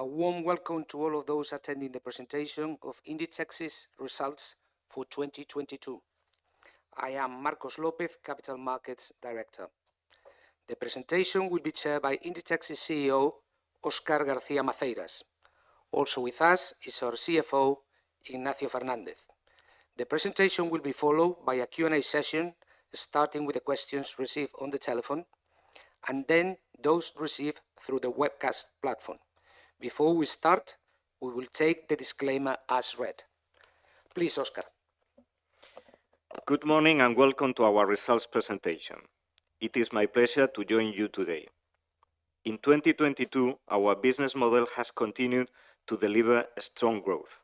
A warm welcome to all of those attending the presentation of Inditex's results for 2022. I am Marcos López, Capital Markets Director. The presentation will be chaired by Inditex's CEO, Óscar García Maceiras. Also with us is our CFO, Ignacio Fernández. The presentation will be followed by a Q&A session, starting with the questions received on the telephone and then those received through the webcast platform. Before we start, we will take the disclaimer as read. Please, Óscar. Good morning. Welcome to our results presentation. It is my pleasure to join you today. In 2022, our business model has continued to deliver strong growth.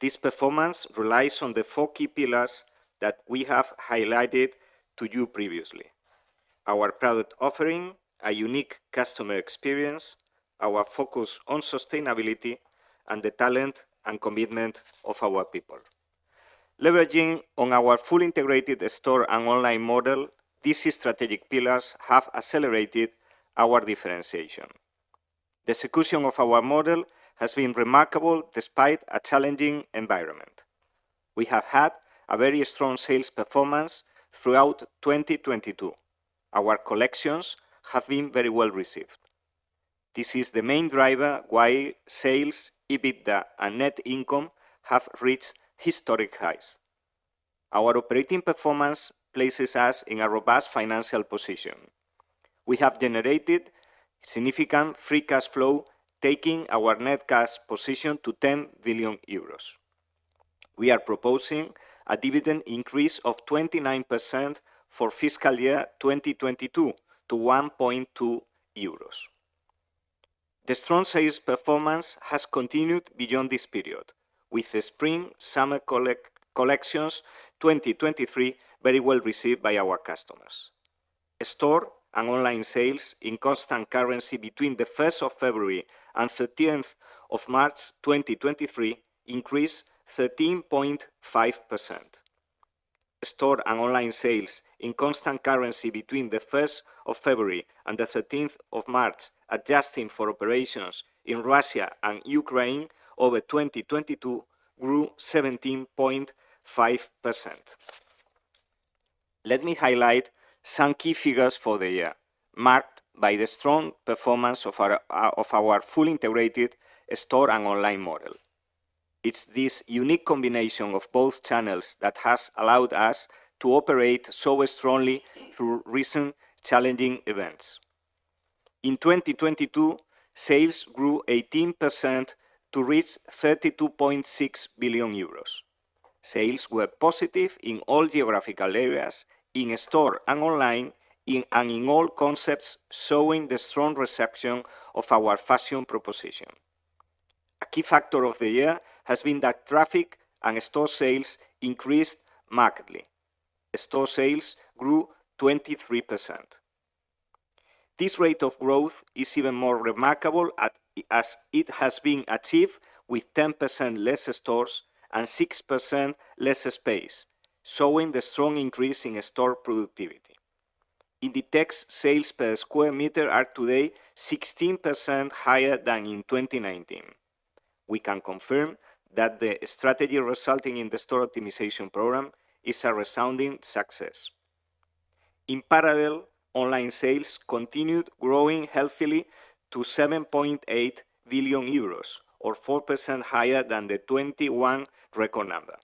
This performance relies on the 4 key pillars that we have highlighted to you previously. Our product offering, a unique customer experience, our focus on sustainability, and the talent and commitment of our people. Leveraging on our fully integrated store and online model, these strategic pillars have accelerated our differentiation. The execution of our model has been remarkable despite a challenging environment. We have had a very strong sales performance throughout 2022. Our collections have been very well received. This is the main driver why sales, EBITDA, and net income have reached historic highs. Our operating performance places us in a robust financial position. We have generated significant free cash flow, taking our net cash position to 10 billion euros. We are proposing a dividend increase of 29% for fiscal year 2022 to 1.2 euros. The strong sales performance has continued beyond this period, with the spring/summer collections 2023 very well received by our customers. Store and online sales in constant currency between the 1st of February and 13th of March 2023 increased 13.5%. Store and online sales in constant currency between the 1st of February and the 13th of March, adjusting for operations in Russia and Ukraine over 2022 grew 17.5%. Let me highlight some key figures for the year, marked by the strong performance of our fully integrated store and online model. It's this unique combination of both channels that has allowed us to operate so strongly through recent challenging events. In 2022, sales grew 18% to reach 32.6 billion euros. Sales were positive in all geographical areas, in store and online, and in all concepts showing the strong reception of our fashion proposition. A key factor of the year has been that traffic and store sales increased markedly. Store sales grew 23%. This rate of growth is even more remarkable as it has been achieved with 10% less stores and 6% less space. Showing the strong increase in store productivity. Inditex sales per square meter are today 16% higher than in 2019. We can confirm that the strategy resulting in the store optimization program is a resounding success. In parallel, online sales continued growing healthily to 7.8 billion euros or 4% higher than the 2021 record number.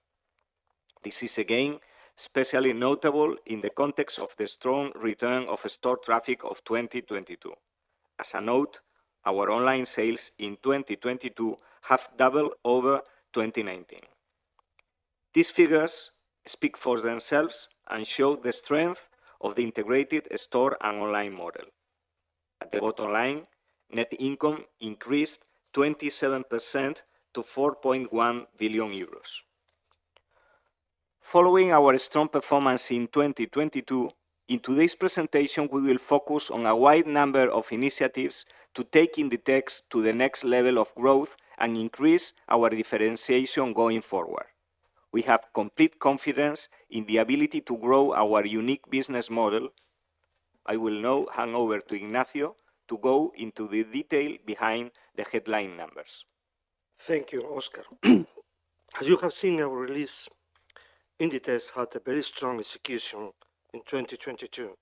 This is again especially notable in the context of the strong return of store traffic of 2022. As a note, our online sales in 2022 have doubled over 2019. These figures speak for themselves and show the strength of the integrated store and online model. At the bottom line, net income increased 27% to 4.1 billion euros. Following our strong performance in 2022, in today's presentation, we will focus on a wide number of initiatives to take Inditex to the next level of growth and increase our differentiation going forward. We have complete confidence in the ability to grow our unique business model. I will now hand over to Ignacio to go into the detail behind the headline numbers. Thank you, Óscar. As you have seen in our release, Inditex had a very strong execution in 2022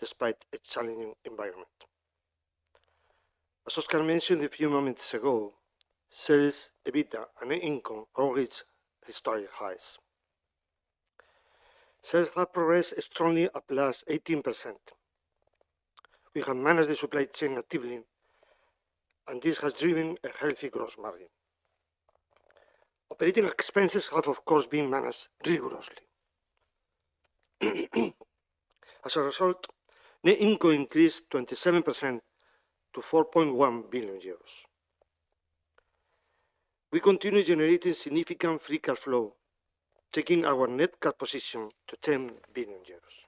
despite a challenging environment. As Óscar mentioned a few moments ago, sales, EBITDA, and net income all reached historic highs. Sales have progressed strongly, up +18%. We have managed the supply chain actively, and this has driven a healthy gross margin. Operating expenses have, of course, been managed rigorously. As a result, net income increased 27% to 4.1 billion euros. We continue generating significant free cash flow, taking our net cash position to 10 billion euros.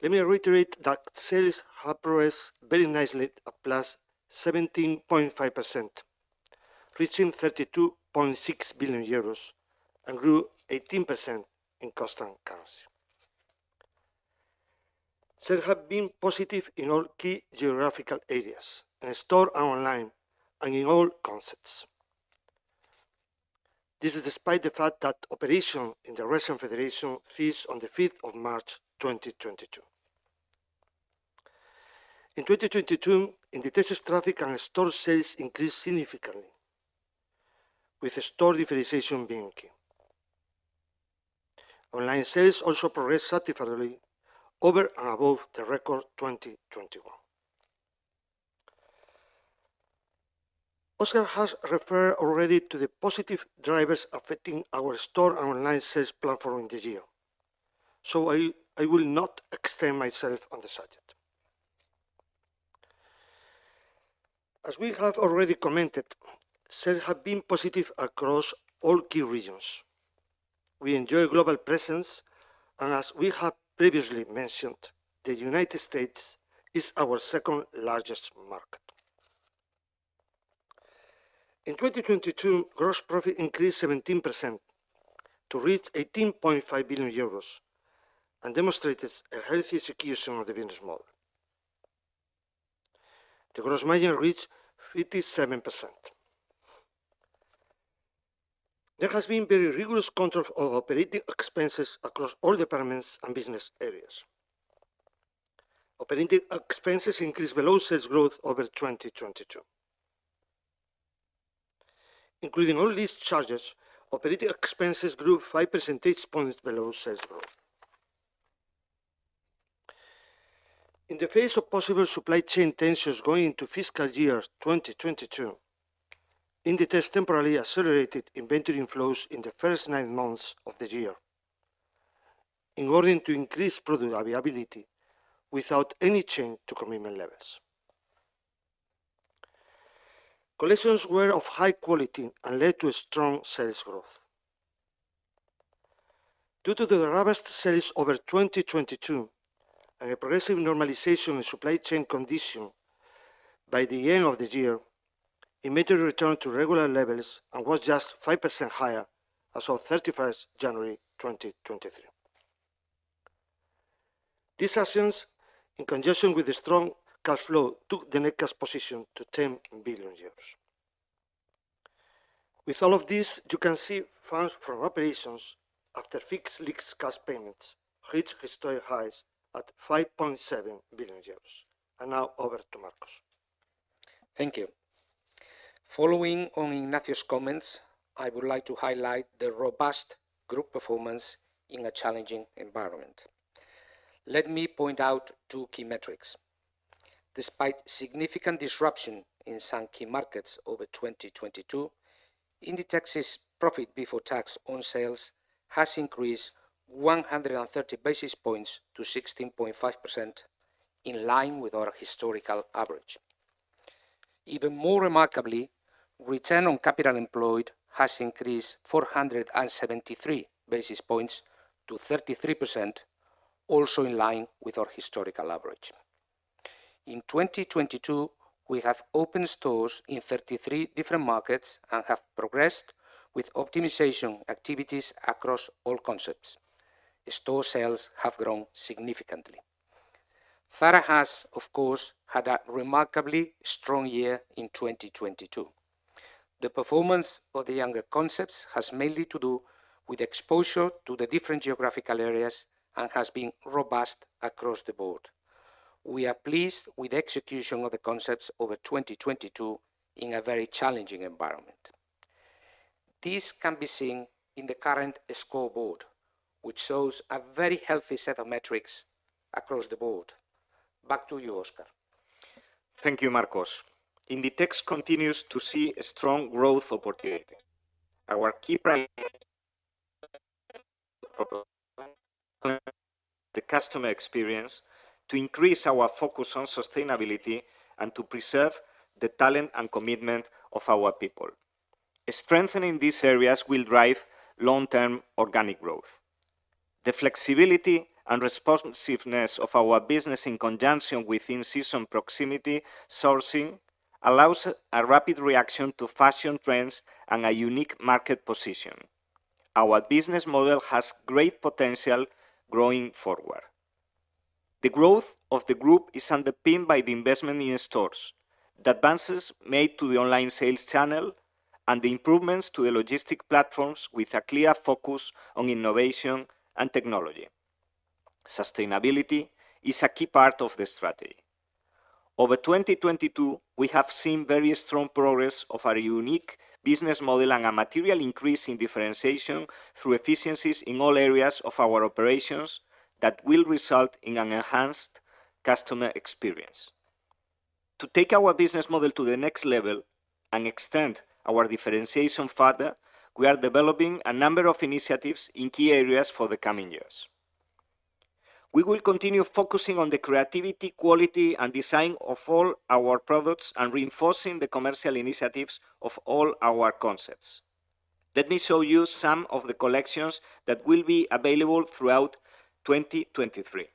Let me reiterate that sales have progressed very nicely at +17.5%, reaching 32.6 billion euros, and grew 18% in constant currency. Sales have been positive in all key geographical areas, and store are online and in all concepts. This is despite the fact that operation in the Russian Federation ceased on the 5th of March 2022. In 2022, Inditex's traffic and store sales increased significantly with the store differentiation being key. Online sales also progressed satisfactorily over and above the record 2021. Óscar has referred already to the positive drivers affecting our store and online sales platform in the year, I will not extend myself on the subject. As we have already commented, sales have been positive across all key regions. We enjoy global presence, as we have previously mentioned, the United States is our second-largest market. In 2022, gross profit increased 17% to reach 18.5 billion euros and demonstrated a healthy execution of the business model. The gross margin reached 57%. There has been very rigorous control of operating expenses across all departments and business areas. Operating e-expenses increased below sales growth over 2022. Including all these charges, operating expenses grew 5 percentage points below sales growth. In the face of possible supply chain tensions going into fiscal year 2022, Inditex temporarily accelerated inventory flows in the first nine months of the year in order to increase product availability without any change to commitment levels. Collections were of high quality and led to a strong sales growth. Due to the robust sales over 2022 and a progressive normalization in supply chain condition, by the end of the year, inventory returned to regular levels and was just 5% higher as of 31st January, 2023. These actions, in conjunction with the strong cash flow, took the net cash position to 10 billion euros. With all of this, you can see funds from operations after fixed lease cash payments reached historic highs at 5.7 billion euros. Now over to Marcos. Thank you. Following on Ignacio's comments, I would like to highlight the robust group performance in a challenging environment. Let Me point out two key metrics. Despite significant disruption in some key markets over 2022, Inditex's profit before tax on sales has increased 130 basis points to 16.5% in line with our historical average. Even more remarkably, return on capital employed has increased 473 basis points to 33%, also in line with our historical average. In 2022, we have opened stores in 33 different markets and have progressed with optimization activities across all concepts. Store sales have grown significantly. Zara has, of course, had a remarkably strong year in 2022. The performance of the younger concepts has mainly to do with exposure to the different geographical areas and has been robust across the board. We are pleased with execution of the concepts over 2022 in a very challenging environment. This can be seen in the current scoreboard, which shows a very healthy set of metrics across the board. Back to you, Oscar. Thank you, Marcos. Inditex continues to see a strong growth opportunity. Our key priorities the customer experience to increase our focus on sustainability and to preserve the talent and commitment of our people. Strengthening these areas will drive long-term organic growth. The flexibility and responsiveness of our business in conjunction with in-season proximity sourcing allows a rapid reaction to fashion trends and a unique market position. Our business model has great potential growing forward. The growth of the group is underpinned by the investment in stores, the advances made to the online sales channel, and the improvements to the logistic platforms with a clear focus on innovation and technology. Sustainability is a key part of the strategy. Over 2022, we have seen very strong progress of our unique business model and a material increase in differentiation through efficiencies in all areas of our operations that will result in an enhanced customer experience. To take our business model to the next level and extend our differentiation further, we are developing a number of initiatives in key areas for the coming years. We will continue focusing on the creativity, quality, and design of all our products and reinforcing the commercial initiatives of all our concepts. Let me show you some of the collections that will be available throughout 2023.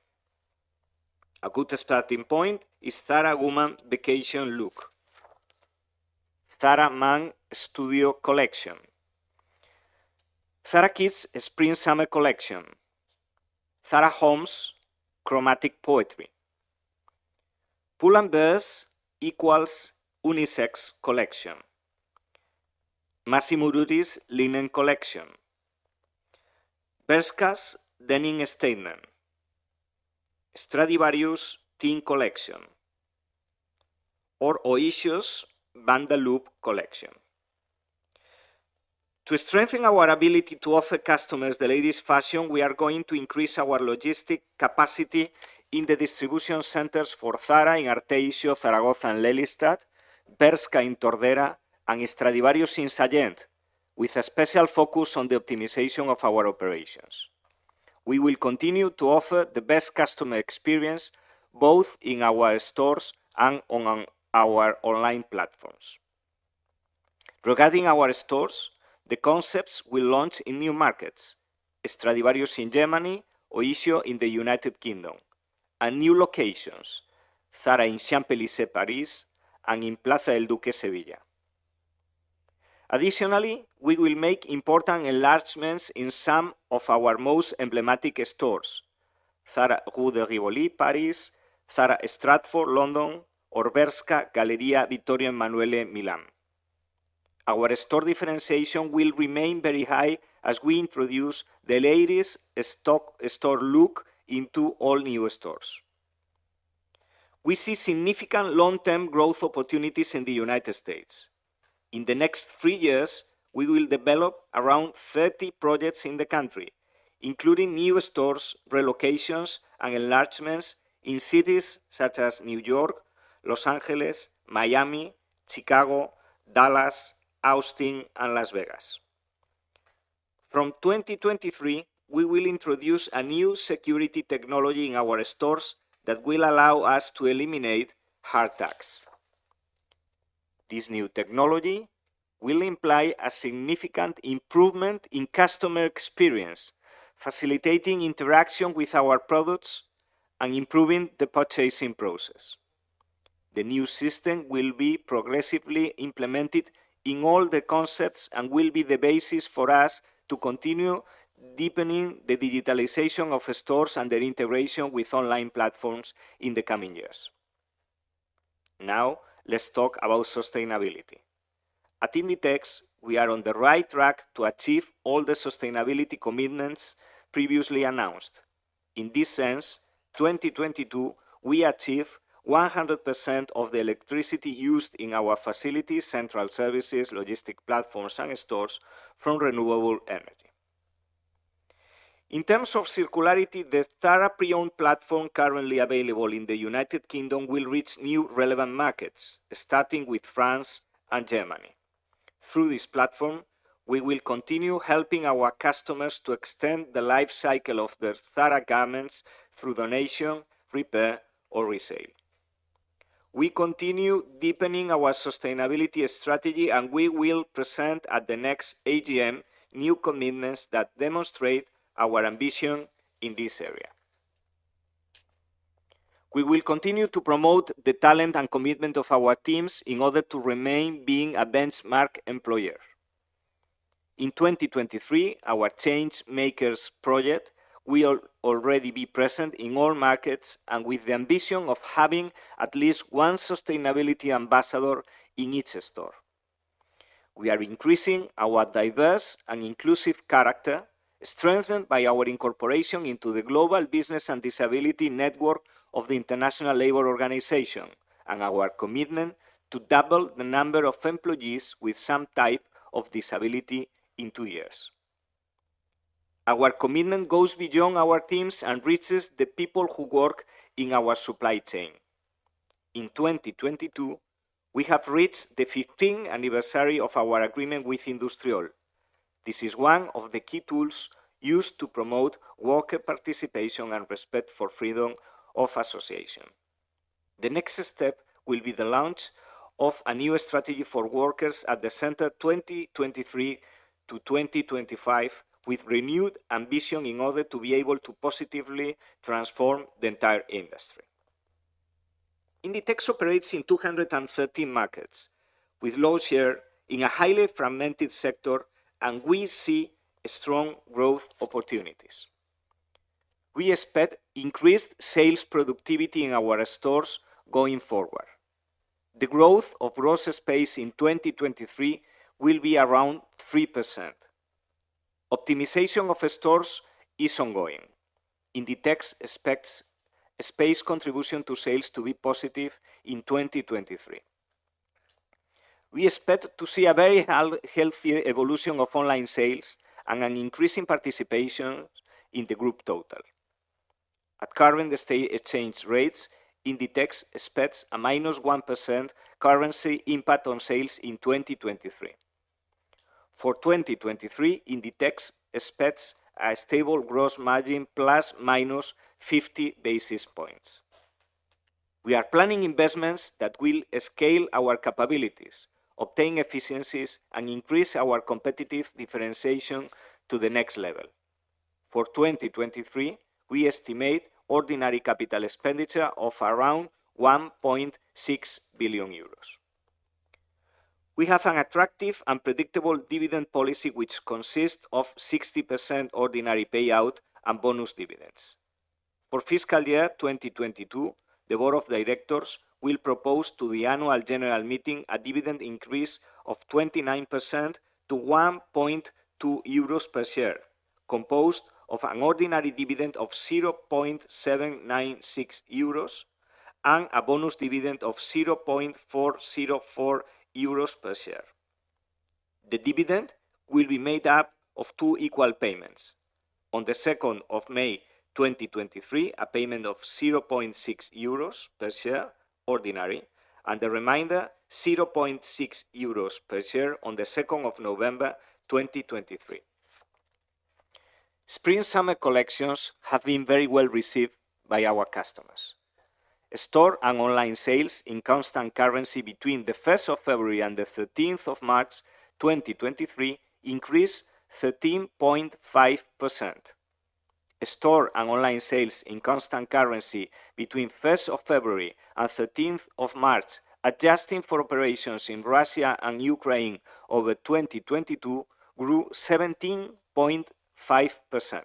A good starting point is Zara Woman Vacation Look Zara Man Studio collection. Zara Kids Spring/Summer collection. Zara Home's Chromatic Poetry. Pull&Bear's Equals Unisex collection. Massimo Dutti's Linen collection. Bershka's Denim Statement. Stradivarius Teen collection. Oysho's Bend The Loop Collection. To strengthen our ability to offer customers the latest fashion, we are going to increase our logistic capacity in the distribution centers for Zara in Arteixo, Zaragoza, and Lelystad, Bershka in Tordera, and Stradivarius in Sallent, with a special focus on the optimization of our operations. We will continue to offer the best customer experience, both in our stores and on our online platforms. Regarding our stores, the concepts we launch in new markets, Stradivarius in Germany, Oysho in the United Kingdom, and new locations, Zara in Champs-Élysées, Paris, and in Plaza del Duque, Sevilla. Additionally, we will make important enlargements in some of our most emblematic stores, Zara Rue de Rivoli, Paris, Zara Stratford, London, or Bershka Galleria Vittorio Emanuele, Milan. Our store differentiation will remain very high as we introduce the latest store look into all new stores. We see significant long-term growth opportunities in the United States. In the next three years, we will develop around 30 projects in the country, including new stores, relocations, and enlargements in cities such as New York, Los Angeles, Miami, Chicago, Dallas, Austin, and Las Vegas. From 2023, we will introduce a new security technology in our stores that will allow us to eliminate hard tags. This new technology will imply a significant improvement in customer experience, facilitating interaction with our products and improving the purchasing process. The new system will be progressively implemented in all the concepts and will be the basis for us to continue deepening the digitalization of stores and their integration with online platforms in the coming years. Let's talk about sustainability. At Inditex, we are on the right track to achieve all the sustainability commitments previously announced. 2022, we achieve 100% of the electricity used in our facilities, central services, logistic platforms, and stores from renewable energy. In terms of circularity, the Zara Pre-Owned platform currently available in the U.K. will reach new relevant markets, starting with France and Germany. Through this platform, we will continue helping our customers to extend the life cycle of their Zara garments through donation, repair, or resale. We continue deepening our sustainability strategy. We will present at the next AGM new commitments that demonstrate our ambition in this area. We will continue to promote the talent and commitment of our teams in order to remain being a benchmark employer. In 2023, our Changemakers project will already be present in all markets and with the ambition of having at least one sustainability ambassador in each store. We are increasing our diverse and inclusive character, strengthened by our incorporation into the Global Business and Disability Network of the International Labour Organization and our commitment to double the number of employees with some type of disability in 2 years. Our commitment goes beyond our teams and reaches the people who work in our supply chain. In 2022, we have reached the 15th anniversary of our agreement with IndustriALL. This is one of the key tools used to promote worker participation and respect for freedom of association. The next step will be the launch of a new strategy for Workers at the Center 2023 to 2025 with renewed ambition in order to be able to positively transform the entire industry. Inditex operates in 213 markets with low share in a highly fragmented sector, we see strong growth opportunities. We expect increased sales productivity in our stores going forward. The growth of gross space in 2023 will be around 3%. Optimization of stores is ongoing. Inditex expects space contribution to sales to be positive in 2023. We expect to see a very healthy evolution of online sales and an increasing participation in the group total. At current exchange rates, Inditex expects a -1% currency impact on sales in 2023. For 2023, Inditex expects a stable gross margin ±50 basis points. We are planning investments that will scale our capabilities, obtain efficiencies, and increase our competitive differentiation to the next level. For 2023, we estimate ordinary capital expenditure of around 1.6 billion euros. We have an attractive and predictable dividend policy which consists of 60% ordinary payout and bonus dividends. For fiscal year 2022, the board of directors will propose to the annual general meeting a dividend increase of 29% to 1.2 euros per share, composed of an ordinary dividend of 0.796 euros and a bonus dividend of 0.404 euros per share. The dividend will be made up of two equal payments. On the 2nd of May 2023, a payment of 0.6 euros per share ordinary, and the remainder 0.6 euros per share on the 2nd of November 2023. Spring/summer collections have been very well received by our customers. Store and online sales in constant currency between the 1st of February and the 13th of March 2023 increased 13.5%. Store and online sales in constant currency between 1st of February and 13th of March, adjusting for operations in Russia and Ukraine over 2022 grew 17.5%.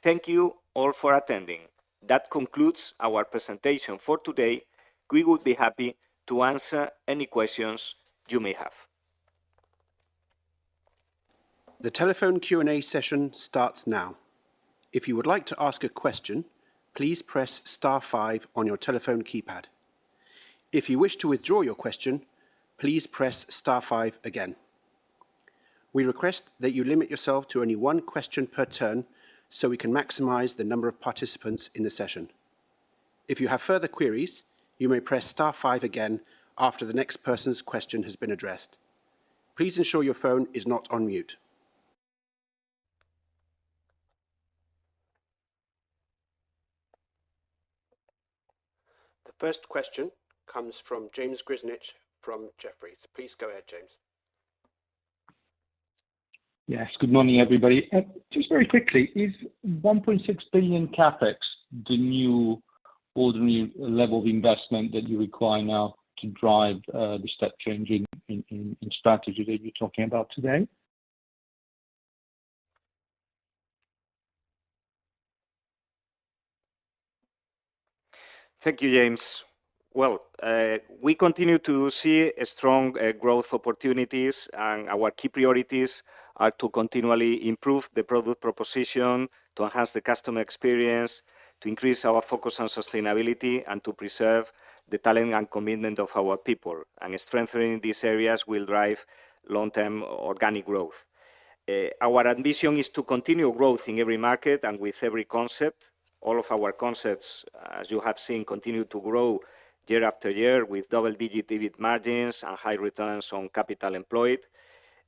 Thank you all for attending. That concludes our presentation for today. We would be happy to answer any questions you may have. The telephone Q&A session starts now. If you would like to ask a question, please press star five on your telephone keypad. If you wish to withdraw your question, please press star five again. We request that you limit yourself to only one question per turn so we can maximize the number of participants in the session. If you have further queries, you may press star five again after the next person's question has been addressed. Please ensure your phone is not on mute. The first question comes from James Grzinic from Jefferies. Please go ahead, James. Yes, good morning, everybody. Just very quickly, is 1.6 billion CapEx the new ordinary level of investment that you require now to drive the step change in strategy that you're talking about today? Thank you, James. Well, we continue to see a strong growth opportunities, and our key priorities are to continually improve the product proposition, to enhance the customer experience, to increase our focus on sustainability, and to preserve the talent and commitment of our people. Strengthening these areas will drive long-term organic growth. Our ambition is to continue growth in every market and with every concept. All of our concepts, as you have seen, continue to grow year after year with double-digit EBIT margins and high returns on capital employed.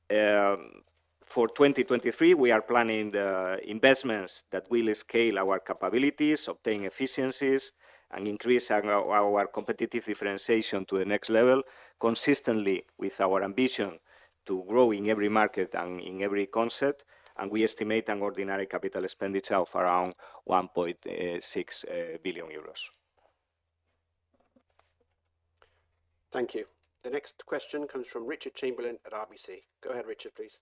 For 2023, we are planning the investments that will scale our capabilities, obtain efficiencies, and increase our competitive differentiation to the next level consistently with our ambition to grow in every market and in every concept. We estimate an ordinary capital expenditure of around 1.6 billion euros. Thank you. The next question comes from Richard Chamberlain at RBC. Go ahead, Richard, please.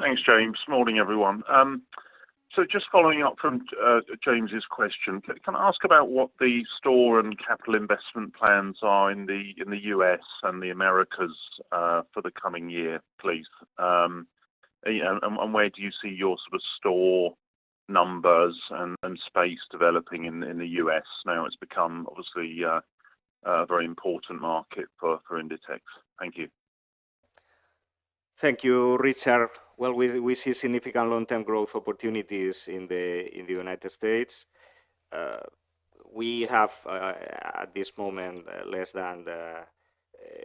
Thanks, James. Morning, everyone. Just following up from James' question, can I ask about what the store and capital investment plans are in the U.S. and the Americas for the coming year, please? Yeah, where do you see your sort of store numbers and space developing in the U.S. now it's become obviously a very important market for Inditex? Thank you. Thank you, Richard. Well, we see significant long-term growth opportunities in the United States. We have at this moment less than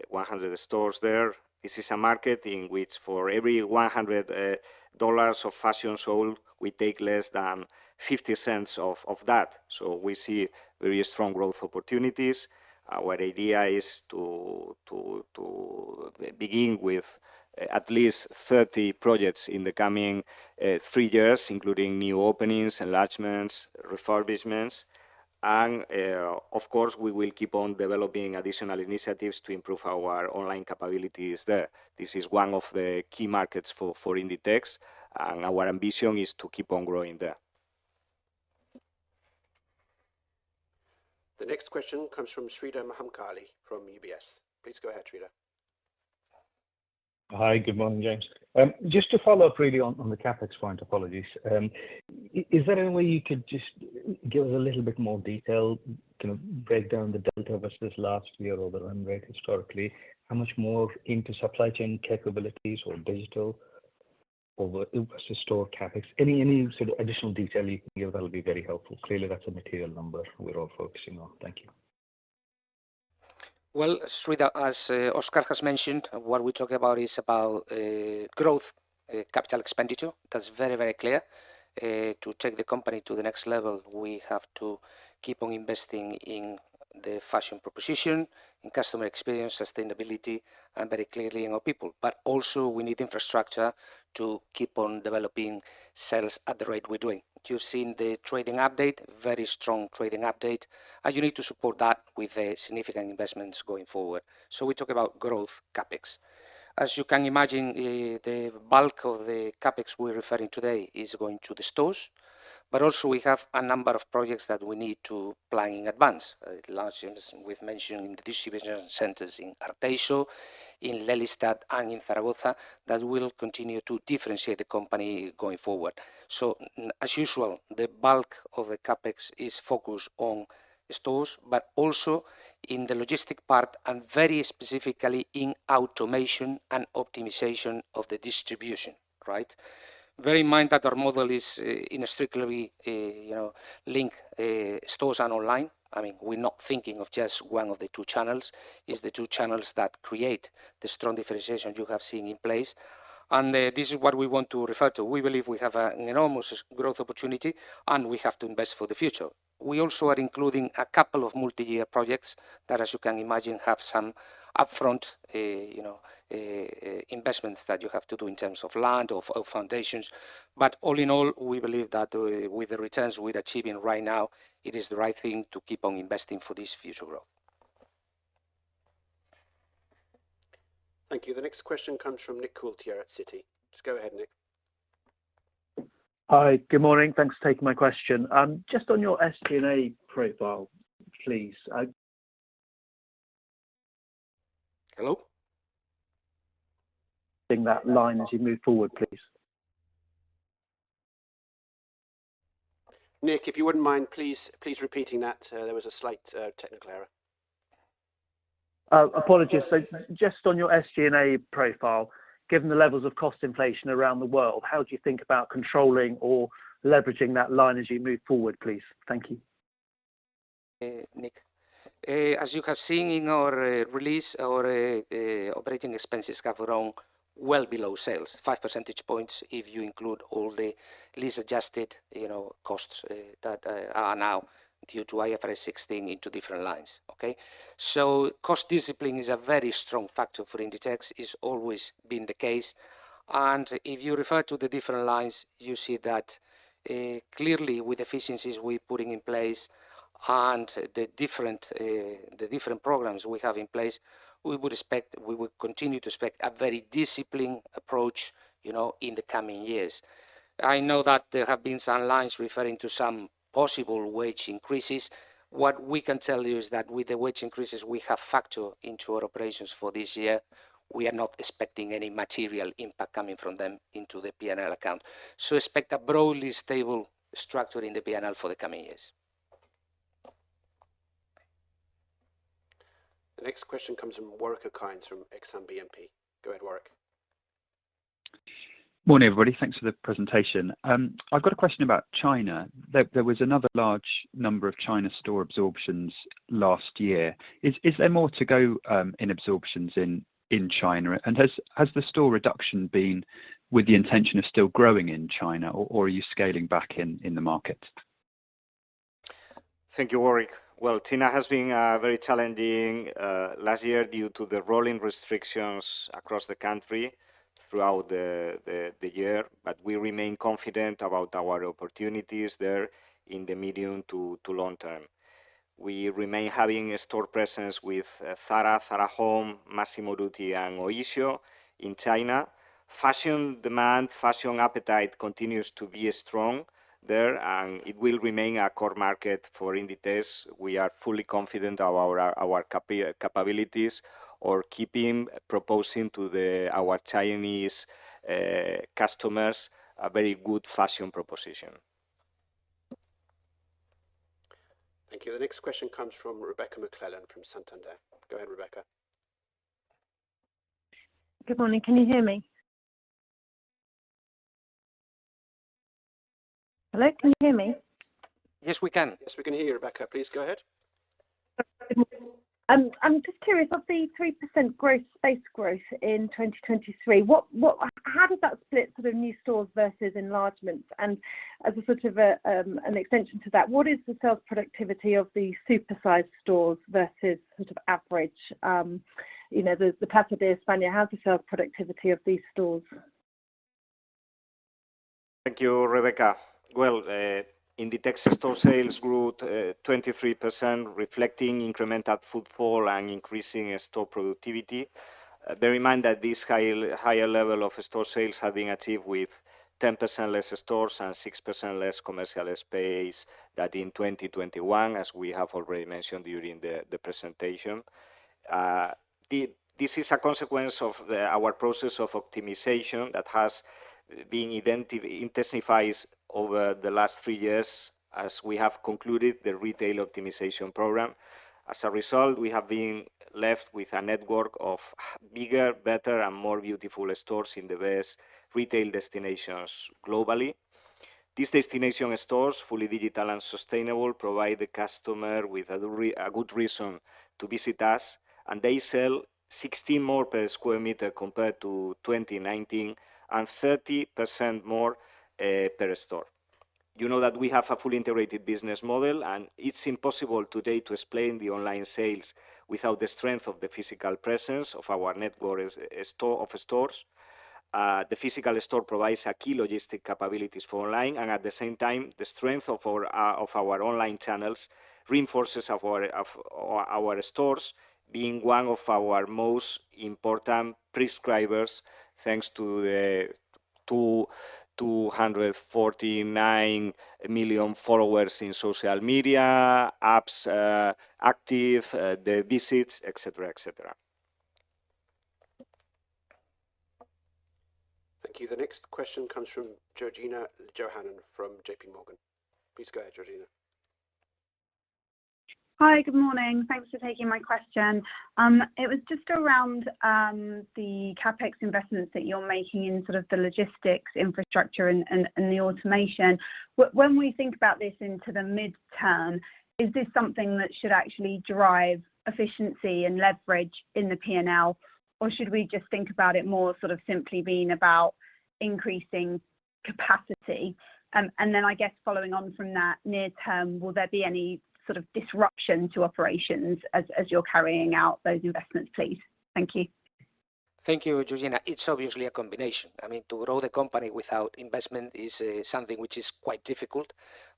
100 stores there. This is a market in which for every 100 dollars of fashion sold, we take less than $0.50 of that. We see very strong growth opportunities. Our idea is to begin with at least 30 projects in the coming 3 years, including new openings, enlargements, refurbishments, and of course, we will keep on developing additional initiatives to improve our online capabilities there. This is one of the key markets for Inditex, Our ambition is to keep on growing there. The next question comes from Sreedhar Mahamkali from UBS. Please go ahead, Sreedhar. Hi. Good morning, James. Just to follow up really on the CapEx point. Apologies. Is there any way you could just give us a little bit more detail, kind of break down the delta versus last year or the run rate historically, how much more into supply chain capabilities or digital over versus store CapEx? Any sort of additional detail you can give, that'll be very helpful. Clearly, that's a material number we're all focusing on. Thank you. Well, Sreedhar, as Óscar has mentioned, what we talk about is about growth, capital expenditure. That's very, very clear. To take the company to the next level, we have to keep on investing in the fashion proposition, in customer experience, sustainability, and very clearly in our people. Also, we need infrastructure to keep on developing sales at the rate we're doing. You've seen the trading update, very strong trading update, and you need to support that with significant investments going forward. We talk about growth CapEx. As you can imagine, the bulk of the CapEx we're referring today is going to the stores. Also we have a number of projects that we need to plan in advance. Large ones we've mentioned in the distribution centers in Arteixo, in Lelystad, and in Zaragoza that will continue to differentiate the company going forward. As usual, the bulk of the CapEx is focused on stores, but also in the logistic part and very specifically in automation and optimization of the distribution, right? Bear in mind that our model is in a strictly, you know, link, stores and online. I mean, we're not thinking of just one of the two channels. It's the two channels that create the strong differentiation you have seen in place. This is what we want to refer to. We believe we have an enormous growth opportunity, and we have to invest for the future. We also are including a couple of multi-year projects that, as you can imagine, have some upfront, you know, investments that you have to do in terms of land or foundations. All in all, we believe that with the returns we are achieving right now, it is the right thing to keep on investing for this future growth. Thank you. The next question comes from Nick Coulter at Citi. Just go ahead, Nick. Hi. Good morning. Thanks for taking my question. Just on your SG&A profile, please. Hello? Think that line as you move forward, please. Nick, if you wouldn't mind, please repeating that. There was a slight technical error. Oh, apologies. Just on your SG&A profile, given the levels of cost inflation around the world, how do you think about controlling or leveraging that line as you move forward, please? Thank you. Nick, as you have seen in our release, our operating expenses have grown well below sales, 5 percentage points if you include all the lease-adjusted, you know, costs that are now due to IFRS 16 into different lines. Okay? Cost discipline is a very strong factor for Inditex. It's always been the case. If you refer to the different lines, you see that clearly with efficiencies we're putting in place and the different the different programs we have in place, we would expect we would continue to expect a very disciplined approach, you know, in the coming years. I know that there have been some lines referring to some possible wage increases. What we can tell you is that with the wage increases we have factored into our operations for this year, we are not expecting any material impact coming from them into the P&L account. Expect a broadly stable structure in the P&L for the coming years. The next question comes from Warwick Okines from Exane BNP Paribas. Go ahead, Warwick. Morning, everybody. Thanks for the presentation. I've got a question about China. There was another large number of China store absorptions last year. Is there more to go in absorptions in China? Has the store reduction been with the intention of still growing in China or are you scaling back in the market? Thank you, Warrick. China has been very challenging last year due to the rolling restrictions across the country throughout the year, we remain confident about our opportunities there in the medium to long term. We remain having a store presence with Zara Home, Massimo Dutti and Oysho in China. Fashion demand, fashion appetite continues to be strong there, it will remain a core market for Inditex. We are fully confident of our capabilities or keeping proposing to our Chinese customers a very good fashion proposition. Thank you. The next question comes from Rebecca McClellan from Santander. Go ahead, Rebecca. Good morning. Can you hear me? Hello, Can you hear me? Yes, we can. Yes, we can hear you, Rebecca. Please go ahead. I'm just curious. Of the 3% growth, space growth in 2023, how does that split sort of new stores versus enlargements? As a sort of an extension to that, what is the sales productivity of the supersized stores versus sort of average, you know, the Plaza de España? How is the sales productivity of these stores? Thank you, Rebecca. Well, Inditex store sales grew 23%, reflecting incremental footfall and increasing store productivity. Bear in mind that this higher level of store sales have been achieved with 10% less stores and 6% less commercial space that in 2021, as we have already mentioned during the presentation. This is a consequence of our process of optimization that has been intensifies over the last 3 years as we have concluded the retail optimization program. As a result, we have been left with a network of bigger, better and more beautiful stores in the best retail destinations globally. These destination stores, fully digital and sustainable, provide the customer with a good reason to visit us, and they sell 60 more per square meter compared to 2019, and 30% more per store. You know that we have a fully integrated business model, and it's impossible today to explain the online sales without the strength of the physical presence of our network is of stores. The physical store provides a key logistic capabilities for online, and at the same time, the strength of our online channels reinforces of our stores being one of our most important prescribers thanks to 249 million followers in social media, apps, active, the visits, et cetera, et cetera. Thank you. The next question comes from Georgina Johanan from JP Morgan. Please go ahead, Georgina. Hi, good morning. Thanks for taking my question. It was just around the CapEx investments that you're making in sort of the logistics infrastructure and the automation. When we think about this into the midterm, is this something that should actually drive efficiency and leverage in the P&L, or should we just think about it more sort of simply being about increasing capacity? Then I guess following on from that near term, will there be any sort of disruption to operations as you're carrying out those investments, please? Thank you. Thank you, Georgina. It's obviously a combination. I mean, to grow the company without investment is something which is quite difficult.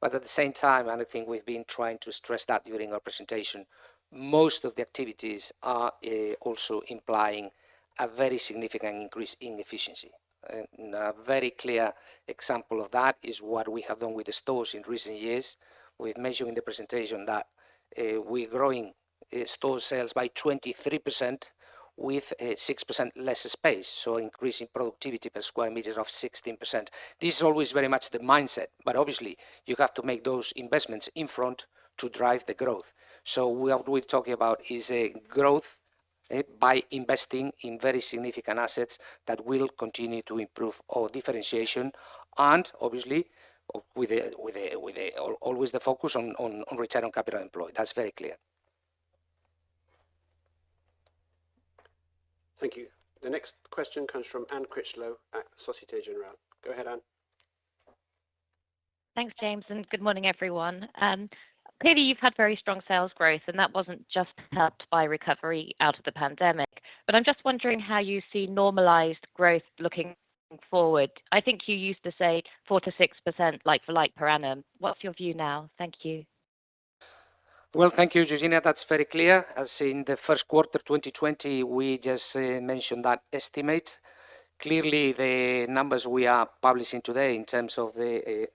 At the same time, and I think we've been trying to stress that during our presentation, most of the activities are also implying a very significant increase in efficiency. A very clear example of that is what we have done with the stores in recent years. We've mentioned in the presentation that we're growing store sales by 23% with 6% less space, so increasing productivity per square meter of 16%. This is always very much the mindset, obviously you have to make those investments in front to drive the growth. What we're talking about is a growth by investing in very significant assets that will continue to improve our differentiation and obviously with a always the focus on return on capital employed. That's very clear. Thank you. The next question comes from Anne Critchlow at Société Générale. Go ahead, Anne. Thanks, James. Good morning, everyone. Clearly you've had very strong sales growth, and that wasn't just helped by recovery out of the pandemic. I'm just wondering how you see normalized growth looking forward. I think you used to say 4%-6% like for like per annum. What's your view now? Thank you. Well, thank you, Anne. That's very clear. As in the first quarter 2020, we just mentioned that estimate. Clearly, the numbers we are publishing today in terms of the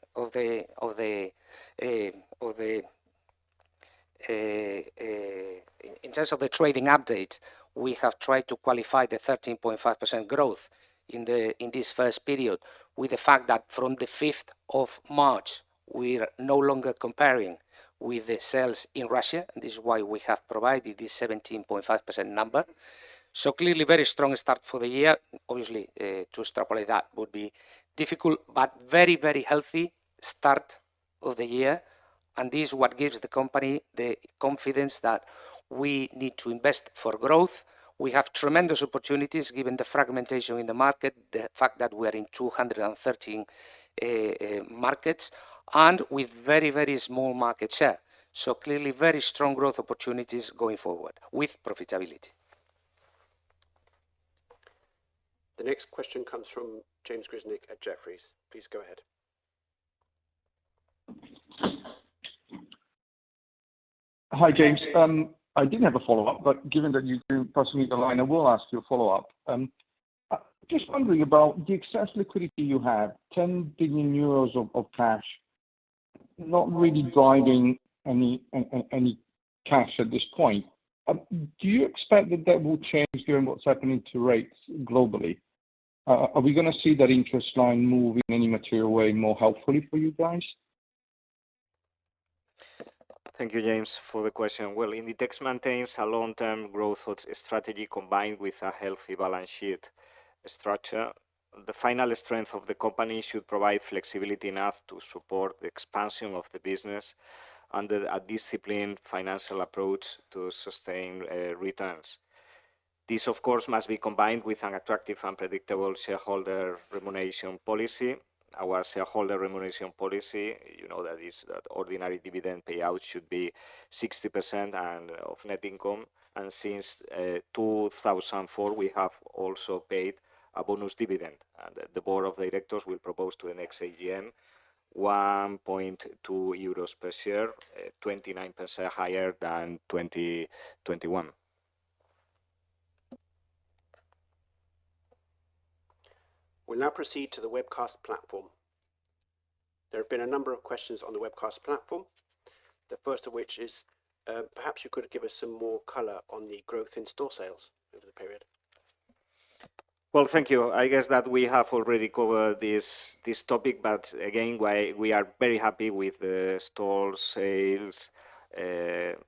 trading update, we have tried to qualify the 13.5% growth in this first period with the fact that from the 5th of March, we're no longer comparing with the sales in Russia. This is why we have provided this 17.5% number. Clearly, very strong start for the year. Obviously, to start like that would be difficult, but very healthy start of the year. This is what gives the company the confidence that we need to invest for growth. We have tremendous opportunities given the fragmentation in the market, the fact that we are in 213 markets, and with very, very small market share. Clearly, very strong growth opportunities going forward with profitability. The next question comes from James Grzinic at Jefferies. Please go ahead. Hi, James. I didn't have a follow-up, but given that you didn't pass me the line, I will ask you a follow-up. Just wondering about the excess liquidity you have, 10 billion euros of cash, not really guiding any cash at this point. Do you expect that that will change given what's happening to rates globally? Are we gonna see that interest line move in any material way more helpfully for you guys? Thank you, James, for the question. Well, Inditex maintains a long-term growth strategy combined with a healthy balance sheet structure. The final strength of the company should provide flexibility enough to support the expansion of the business under a disciplined financial approach to sustain returns. This, of course, must be combined with an attractive and predictable shareholder remuneration policy. Our shareholder remuneration policy, you know that is that ordinary dividend payout should be 60% and of net income. Since 2004, we have also paid a bonus dividend. The board of directors will propose to the next AGM 1.2 euros per share, 29% higher than 2021. We'll now proceed to the webcast platform. There have been a number of questions on the webcast platform. The first of which is, perhaps you could give us some more color on the growth in store sales over the period. Well, thank you. I guess that we have already covered this topic, again, we are very happy with the store sales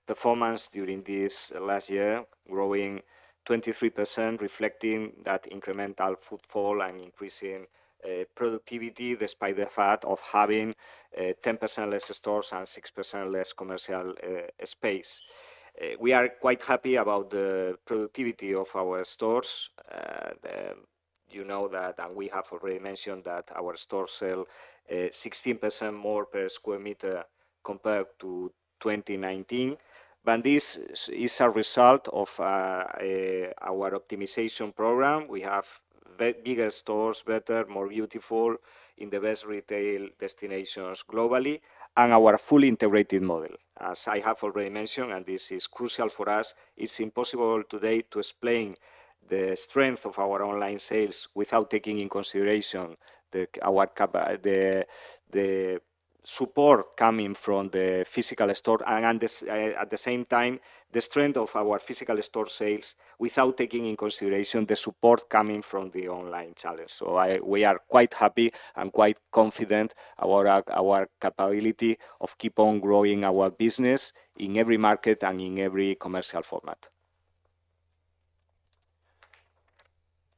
performance during this last year, growing 23%, reflecting that incremental footfall and increasing productivity despite the fact of having 10% less stores and 6% less commercial space. We are quite happy about the productivity of our stores. The, you know that, and we have already mentioned that our stores sell 16% more per square meter compared to 2019. This is a result of our optimization program. We have bigger stores, better, more beautiful in the best retail destinations globally, and our fully integrated model. As I have already mentioned, this is crucial for us, it's impossible today to explain the strength of our online sales without taking in consideration the support coming from the physical store and this, at the same time, the strength of our physical store sales without taking in consideration the support coming from the online channels. We are quite happy and quite confident our capability of keep on growing our business in every market and in every commercial format.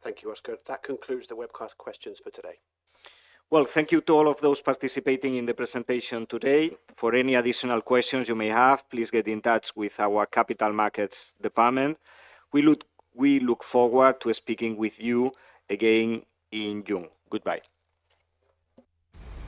Thank you, Óscar. That concludes the webcast questions for today. Well, thank you to all of those participating in the presentation today. For any additional questions you may have, please get in touch with our capital markets department. We look forward to speaking with you again in June. Goodbye.